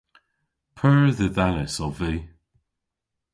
Pur dhidhanus ov vy.